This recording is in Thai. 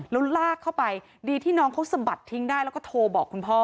แล้วลากเข้าไปดีที่น้องเขาสะบัดทิ้งได้แล้วก็โทรบอกคุณพ่อ